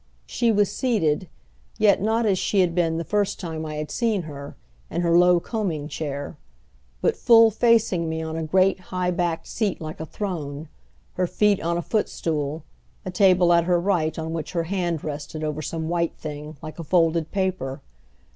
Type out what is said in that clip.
She was seated, yet not as she had been the first time I had seen her, in her low combing chair; but full facing me on a great high backed seat like a throne, her feet on a footstool, a table at her right on which her hand rested over some white thing, like a folded paper.